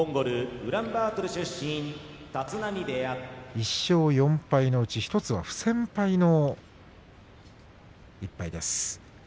１勝４敗のうち１つは不戦敗の１敗です。